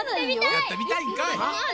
やってみたいんかい！